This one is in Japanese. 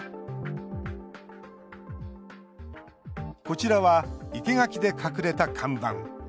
こちらは生け垣で隠れた看板。